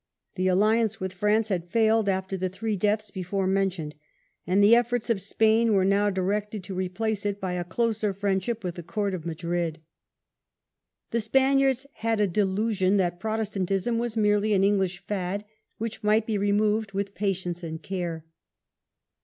The alliance with France had failed after the three deaths before men tioned, and the efforts of Spain were now directed to replace it by a closer friendship with the court of Madrid. The Spaniards had a delusion that Protestantism was merely an English fad, which might be removed with patience and care.